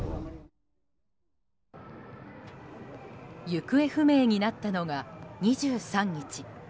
行方不明になったのが２３日。